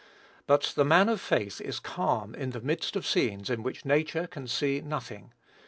But the man of faith is calm in the midst of scenes in which nature can see nothing.